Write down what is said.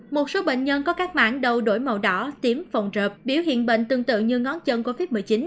một số bệnh nhân có các mãng đầu đổi màu đỏ tím phòng rợp biểu hiện bệnh tương tự như ngón chân covid một mươi chín